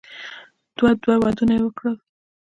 ده دوه ودونه وکړل.